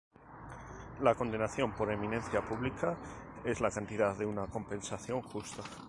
La condenación por eminencia pública es la cantidad de una compensación justa.